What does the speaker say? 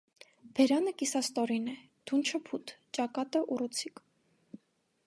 Բերանը կիսաստորին է, դունչը՝ բութ, ճակատը՝ ուռուցիկ։